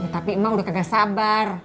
tapi emang udah kagak sabar